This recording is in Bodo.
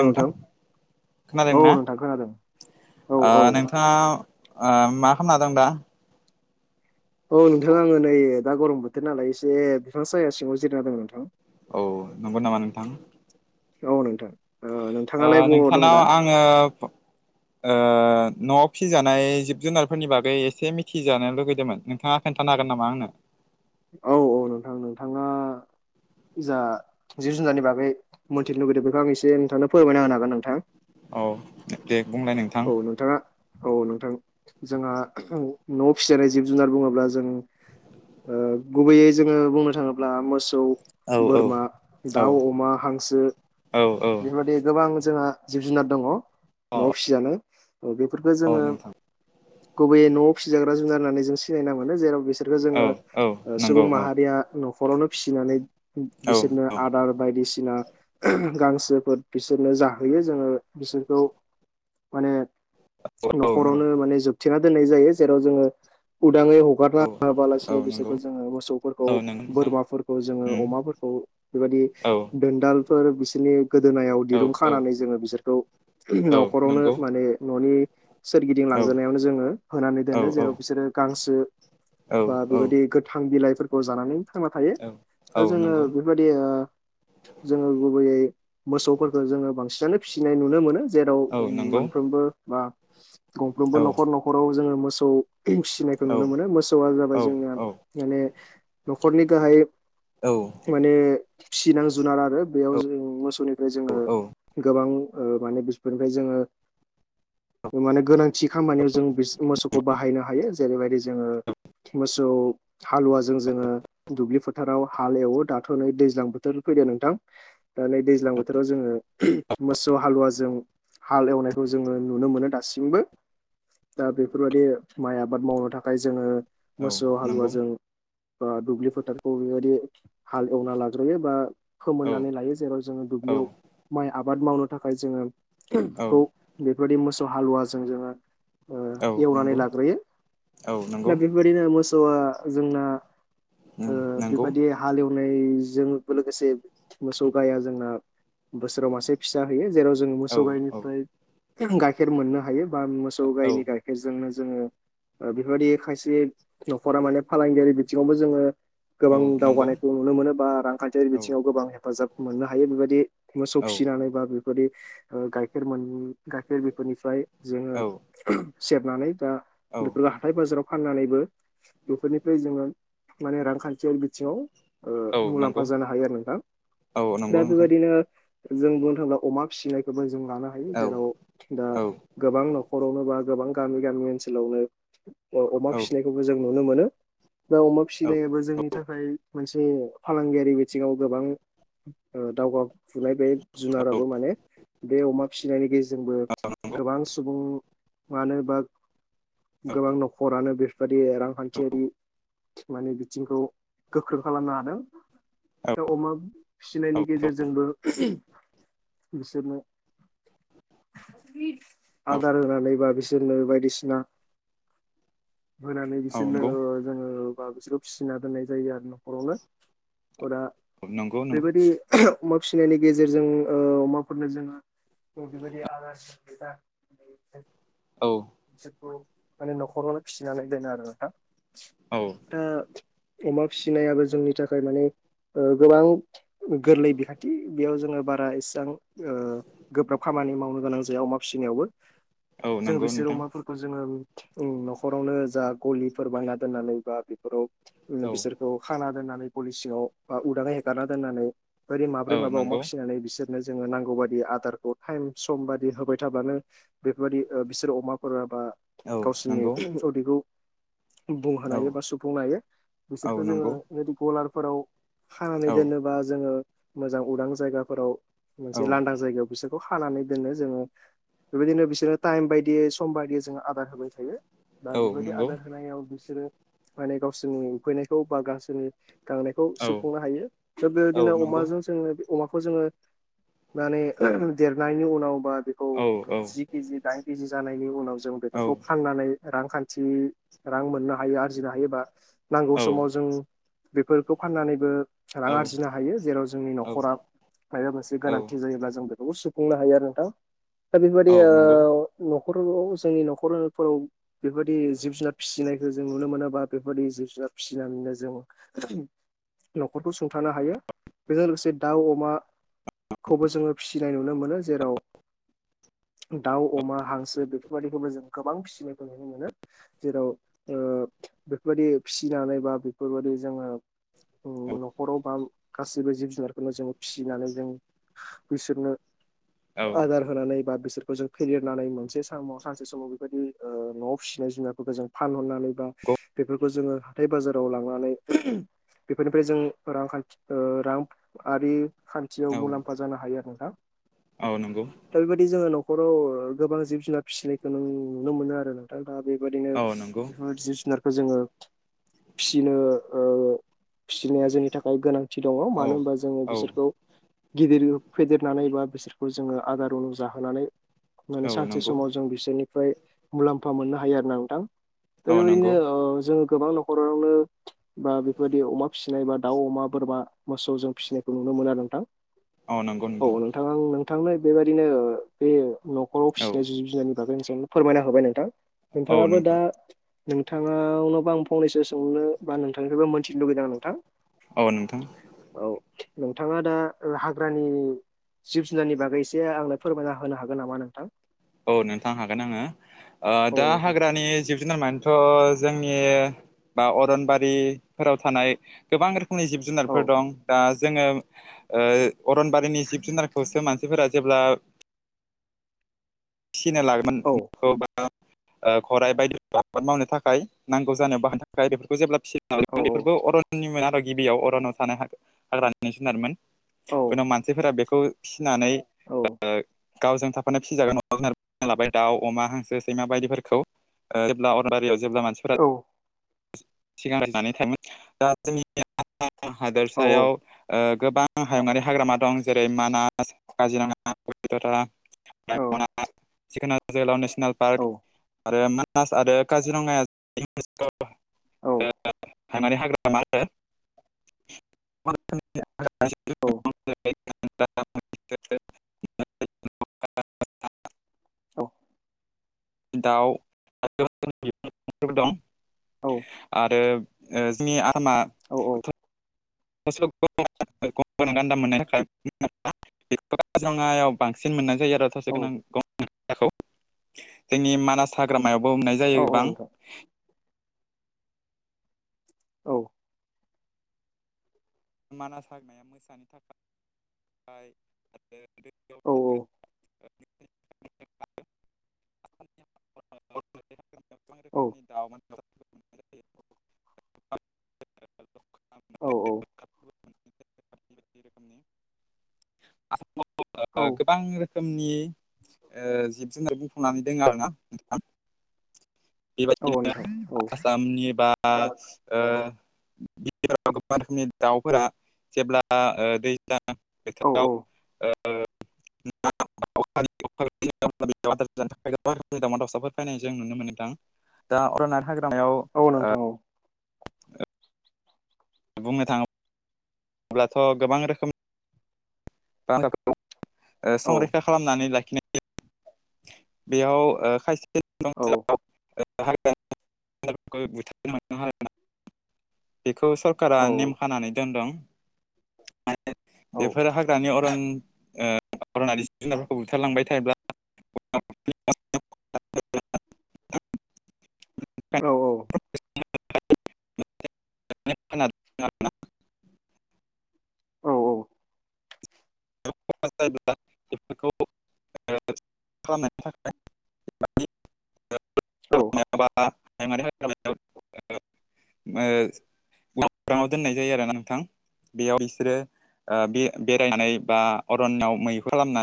नोंथां औ खोनादोंना नोंथां खोनादों औ ओ औ नोंथां थाङा मा खालामना दं दा औ नोंथां आङो नै दा गरम बोथोर नालाय एसे बिफां साया सिङाव जिरायना दङ नोंथां औ नंगौ नामा नोंथां औ नोंथां ओ नोंथाङालाय बबाव दं नोंथांनाव दा आङो ओ न'वाव फिजानाय जिब जुनारफोरनि बागै एसे मिथिजानो लुगैदोंमोन नोंथाङा खोनथानो हागोन नामा आंनो औ औ नोंथां नोंथाङा जा जिब जुनारनि बागै मोनथिनो लुगैदों बेखौ आं एसे नोंथांनो फोरमायना होनो हागोन नोंथां औ दे बुंलाय नों औ नोंथाङा औ नोंथां जोंहा न'आव फिसिनाय जिब जुनार बुङोब्ला जों ओ गुबैयै जोङो बुंनो थाङोब्ला मोसौ औ औ बोरमा औ दाउ अमा हांसो औ औ बेफोरबायदि गोबां जोंहा जिब जुनार दङ न'आव औ फिसिजानाय बेफोरखो जोङो गुबैयै न'आव फिसिजाग्रा जुनार होननानै जों सिनायना मोनो जेराव बेस बिसोरखो ओ औ औ जोङो सुबुं नंगौ औ माहारिया न'खरावनो फिसिनानै औ बिसोरनो औ आदार बायदिसिना गांसोफोर बिसोरनो जाहोयो जोङो बिसोरखौ माने औ नंगौ न'खरावनो माने जोबथेना दोननाय जायो जेराव जोङो उदाङै हगारना औ औ होआबालासिनो नंगौ बिसोरखौ जोङो मोसौफोरखौ औ नंगौ नोंथां बोरमाफोरखौ जोङो उम अमाफोरखौ बेबादि औ दोनदालफोर बिसोरनि गोदोनायाव औ दिरुं औ खानानै जोङो बिसोरखौ औ न'ख'रावनो नंगौ माने न'नि सोरगिदिं औ लांगोनायावनो जोङो होनानै औ दोनो औ जेराव बिसोरो गांसो औ बा औ बेबायदि गोथां बिलाइफोरखौ जानानै थांना थायो औ दा औ जोङो नंगौ बादि ओ जोङो गुबैयै मोसौफोरखौ जोङो बांसिनानो फिसिनाय नुनो मोनो जेराव औ नंगौ मोनफ्रोमबो बा औ गंफ्रोमबो न'खर न'खराव जोङो मोसौ फिसिनायखौ औ नुनो मोनो मोसौआ औ जाबाय जोंनिया माने न'खरनि गाहाय औ माने फिनां जुनार आरो बेयाव जों मोसौनिफ्राय जों औ औ गोबां ओ माने बिसनिफ्राय जोङो माने गोनां थि खामानियाव जों बिस मोसौखौ बाहायनो हायो जेरैबायदि जोङो मोसौ हालुवाजों जोङो दुब्लि फोथाराव हाल एवो दाथ' नै दैज्लां बोथोर फैदो नोंथां दा नै दैज्लां बोथोराव जोङो मोसौ हालुवाजों हाल एवनायखौ जोङो नुनो मोनो दासिमबो दा बेफोरबायाददि माइ आबाद मावनो थाखाय जोङो औ मोसौ नंगौ हालुवाजों बा दुब्लि फोथारखौ बेबायदि हाल एवना लाग्रोयो बा औ फोमोननानै लायो जेराव जोङो औ दुब्लियाव माइ आबाद मावनो थाखाय जोङो औ बेखौ बेफोरबायदि मोसौ हालुवाजों जोङो ओ औ एवनानै नंगौ लाग्रोयो औ नंगौ दा बेफोरबायदिनो मोसौआ जोंना नंगौ बेबायदि हालेवनायजों लोगोसे मोसौ गाया जोंना बोसोराव मासे फिसा होयो जेराव जों औ मोसौ औ गाइनिफ्राय गाइखेर मोननो हायो बा मोसौ औ गाइनि गाइखेरजोंनो जोङो ओ‌ बेफोरबायदि खायसे न'खरा माने फालांगियारि बिथिङावबो जोङो औ गोबां नंगौ दावगानायखौ नुनो मोनो बा रांखान्थियारि औ बिथिङाव गोबां हेफाजाब मोननो हायो बेबायदि मोसौ औ फिसिनानै बा बेफोरदि गाइखेर मोन गाइखेर बेफोरनिफ्राय जोङो औ सेरनानै दा लफोर लााह [unintelligible] हाथाइ बाजाराव फाननानैबो बेफोरनिफ्राय जोङो माने रांखान्थियारि बिथिङाव ओ औ मुलाम्फा नंगौ जानो हायो आरो नोंथां औ दा नंगौ नोंथां बेबायदिनो जों बुंनो थाङोब्ला अमा फिसिनायखौबो जों लानो औ हायो जेराव दा औ गोबां न'खरावनो बा गोबां गामि गामि ओनसोलावनो अमा औ फिसिनायखौबो जों नुनो मोनो दा अमा औ फिसिनायाबो जोंनि थाखाय मोनसे जे फालांगियारि बिथिङाव गोबां दावगाफुनाय बे जुनाराबो माने बे अमा फिसिनायनि गेजेरजोंबो नंगौ गोबां सुबुं मानो होनोबा औ गोबां न'खरानो बेबायदि रांखान्थियारि माने बिथिंखौ गोख्रों खालामनो हादों दा अमा फिसिनायनि गेजेरजोंबो बिसोरनो आदार होनानै बा बिसोरनो बायदिसिना होनानै औ बिसोरनो नंगौ ओ जोङो बिसोरखौ फिसिना दोननाय जायो आरो न'खरावनो हरा नंगौ नंगौ बेबायदि अमा फिसिनायनि गेजेरजों ओ अमाफोरनो जोङो दि बदि आब दा [unintelligible] औ बिसोरखौ माने न'खरावनो फिसिनानै दोनो आरो नोंथां औ दा अमा फिसिनायाबो जोंनि थाखाय मानेओ गोबां गोरलै बिखान्थि बेयाव जोङो बारा ऐसांओ गोब्राब खामानि मावनो गोनां जायो अमा फिसिनायावबो औ नंगौ नोंथां फोरखौ जोङो न'खरावनो जा गलिफोर बायना दोननानै बा बेफोराव औ बिसोरखौ खाना दोन्नानै गलि सिंआव उदाङै हेगारना दोन्नानै ओरै औ माबोरै माबा नंगौ अमासिनानै बिसोर जोंओ नांगौ बायदि आदारखौ टाइम सम होबाय थाब्लानो बेफोरबायदिओ अमाफोरा बा औ गावसोरनि नंगौ उदैखौ बुंहोनो औ हायो बा सुफुंनो हायो औ बिसोरखौ नंगौ जोङो गलाफोराव खानानै औ दोनोबा जोङो मोजां उदां जायगाफोराव औ मोनसे लांदां जायगायाव बिसोर खानानै‌ दोनो जों बेबायदिनो बिफोर टाइम बायदियै सम बायदियै जोङो आदार होबाय थायो दा औ बेबायदि नंगौ आदार होनायाव बिसोरो माने गावसोरनि उफैनायखौ बा गावसोरनि गांनायखौ खौ औ सुफुंनो हायो था औ बेबायदिनो नंगौ अमाजों जोङो अमाखौ जोङो माने देरनायनि उनाव बा औ जिस केजि दाइन केजि जानायनि उनाव जों औ बेफोरखौ नानै रांखान्थि रां मोननो हायो आरजिनो हायोबा नांगौ औ समाव जों बेफोरखौ फाननानैबो रां आरजिनो हायो जेराव जोंनि औ न'खरा माबा मोनसे गोनांथि जायोब्ला जोंबो बेखौ सुफुंनो हायो आरो नोंथां दा औ बेफोरबायदिओ नंगौ न'खराव जोंनि न'खरफोराव बेफोर बायदि जिब जुनार फिसिनायखौ जों नुनो मोनोबा बा बेफोरदि जिब जुनार फिसिनानैनो जों न'खरखौ सुंथानो हायो बेजों लोगोसे दाउ अमा खौबो जोङो फिसिनाय नुनो मोनो जेराव दाउ अमा हांसो जों बेफोरबायाददिखौबो जों गोबां फिसिनायखौ नुनो मोनो जेराव ओ बेफोरबायदि फिसिनानै बा बेफोरबायदि जोङो नखराव बा गाससिबो जिब जुनारखौनो जों फिसिनानै जों बिसोरनो औ आदार होनानै बा बिसोरखौ जों फेदेरनानै मोनसे सानसे समाव बेबायदि न'आव फिसिनाय जुनारफोरखौ जों फानहरनानै बा बेफोरखौ जोङो हाथाय बाजाराव लांनानै बेफोरनिफ्राय जों रांखान्थि रां आरि खान्थियाव औ मुलाम्फा जानो हायो आरो नोंथा औ नंगौ दा बेबायदि जोङो न'खराव ओ गोबां जिब जुनार फिसिनायखौ नों नुनो मोनो आरो नों ा बेबायदिनो औ नंगौ बेफोरदिार जोङो फिसिनो ओ फिसिनाया जोंनि थाखाय गोनां दङ औ मानो होनबा जोङो औ बिसोरखौ गिदिर फेदेरनानै बा बिसोरखौ जोङो आदा रनु जाहोनानै माने औ सानसे नंगौ समाव जों बिसोरनिफ्राय मुलाम्फा मोननो हायो आरो नदां दा औ बेबायदिनो नंगौ जोङो गोबां न'खरावनो बा बेफोरबायदि अमा फिसिनाय बा दाउ अमा बोरमा मोसौ जों फिसिनायखौ नुनो मोना नोंथां औ नंगौ नोंथां [unintelligible] नोंथांनो बेबायदिनो बे न'खराव औ फि जिब जुनारनि बागै [unintelligible] फोरमायना होबाय नोंथां औ नोंथाङाबो नोंथां दा नोंथाङावनोबा आं फंनैसो सोंनो बा नोंथांनिफ्रायबो मोन्थिनो लुगैदों आं नोंथां औ नोंथां औ नोंथाङा दा हाग्रानि जिब जुनारनि बागै एसे आंनो फोरमायना होनो हागोन नामा नोंथां? औ नोंथां हागोन आङो औ दा नोंथां हाग्रानि जिब जु जुनार मानेथ' जोंनि बा अरनबारिफोराव थानाय गोबां रोखोमनि जिब औ जुनारफोर दं दा जोङो अरनबारिनि जिब जुनारखौसो मानसि फोरा जेब्ला फिसिनो लागोमोन [unintelligible] गराइ बायदि आबाद मावनो थाखाय नांगौ जानायाव बाहायनो थाखाय बेफोरखौ जेब्ला औ [unintelligible] बेफोरबो अरननिमोन आरो गिबियाव अरन थानाय हाग्रानि जुनारमोन औ उनाव मानसिफोरा बेखौ फिसिनानै औ गावजों थाफानाय फिसिजागोन [unintelligible] लाबाय दाउ अमा हांसो सैमा बायदिफोरखौ जेब्ला अरबारियाव जेब्ला मानसि औ सिगां जनानै थाङोन दा जोंनि आसाम औ हादोरसायाव गोबां आं हायुंङारि हाग्रामा दं जेरै मानास काजिरङारा [unintelligible] औ [unintelligible] जोहोलाव नेसनेल औ पार्क आरो मानास आरो काजिरङाया ' औ [unintelligible] हाइमारि हाग्रामा आरो औ [unintelligible] [unintelligible] औ दाउ [unintelligible] दं औ आरो जोंनि आरमा औ [unintelligible] गान्दा मोननाय थाखाय [unintelligible] रङायाव बांसिन मोननानै जायो आरो औ थसे गोनां [unintelligible] जोंनि मानास हाग्रामायावबो [unintelligible] औ जायो गोबां नोंथां औ मानास [unintelligible] [unintelligible] औ [unintelligible] दाउ मोननाय जायो। औ औ [unintelligible] रोखोमनि ओ जिब जुनार बुंफबनानै दङ आरो ना नोंथां औ [unintelligible] बेबायदिनो नोंथां औ आसामनि बा ओ बि गोबां रोखोमनि दाउफोरा जेब्ला ओ दै दा औ औ बोथोराव ओ ना [unintelligible] दावमा दावउसाफोर फैनाय जों नुनो मोनदों दा अरना हाग्रामायाव औ नोंथां औ बुंनो थाङो अब्लाथ' गोबां रोखोम ओ [unintelligible] औ औ संरैखा खालामनानै लाखिनाय बेयाव ओ खायसे [unintelligible] [unintelligible] बेखौ सरकारा नेम खानानै दोनदों माने बेफोर हाग्रानि अरन ओ फोरखौ बुथारलांबाय थायोब्ला [unintelligible] औ औ [unintelligible] औ [unintelligible] जायो बेफोरखौ खालामनायनि थाखाय औ माबा हायुंआरि हाग्रामायाव ओ दोननाय जायो आरो नोंथां बेयाव बिसोरो बे बेरायनानै बा अरनआव मै खालामनानै